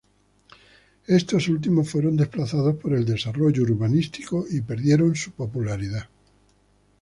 Estos últimos fueron desplazados por el desarrollo urbanístico y perdieron su popularidad.